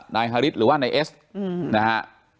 นายฮาริสหรือว่านายเอสนะฮะ